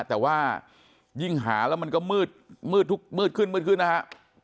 แต่ว่ายิ่งหาแล้วมันก็มืดมืดทุกมืดขึ้นมืดขึ้นนะฮะ